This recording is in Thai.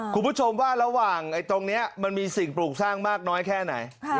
คุณผู้ชมว่าระหว่างตรงนี้มันมีสิ่งปลูกสร้างมากน้อยแค่ไหน